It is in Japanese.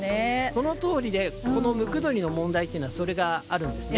そのとおりでこのムクドリの問題はそれがあるんですね。